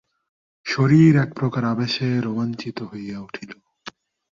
শরীর একপ্রকার আবেশে রোমাঞ্চিত হইয়া উঠিল।